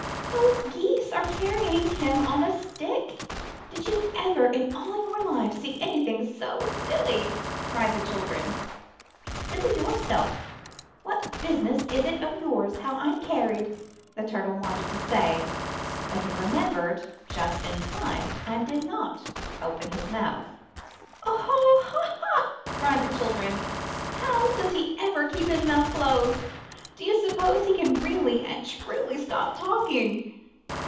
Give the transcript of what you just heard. those Geese are carrying him on a stick. Did you ever in all your life see anyone look so silly?" cried the children. 'Silly yourself! What business is it of yours how I'm carried?" the Turtle wanted to say, but he re membered just in time and did not open his mouth. 224 IN THE NURSERY ''Oh Ho! Hah Hah!" cried the children. ''How does he ever keep his mouth closed? Do you suppose he can really and truly stop talking?